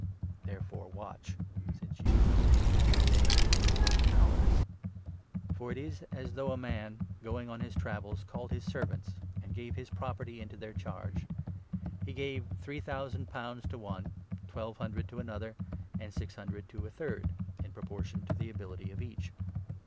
Therefore watch, since you know neither the 13 Day nor the Hour. Parable ^or ^ *s as th°ugh a man, going on his travels, 14 oVthe called his servants, and gave his property into Talents, their charge. He gave three thousand pounds 15 to one, twelve hundred to another, and six hundred to a third, in proportion to the ability of each.